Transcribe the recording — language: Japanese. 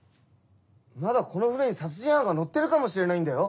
まだこの船に殺人犯が乗ってるかもしれないんだよ？